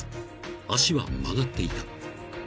［脚は曲がっていた］